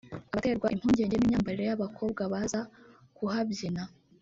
a baterwa impungenge n’imyambarire y’abakobwa baza kuhabyina